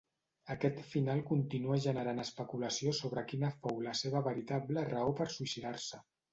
Aquest final continua generant especulació sobre quina fou la seva veritable raó per suïcidar-se.